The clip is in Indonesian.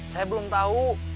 saya belum tahu